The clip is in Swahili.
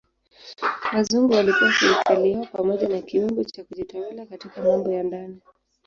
Wazungu walipewa serikali yao pamoja na kiwango cha kujitawala katika mambo ya ndani.